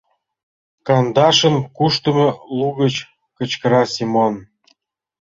— Кандашын! — куштымо лугыч кычкыра Семон.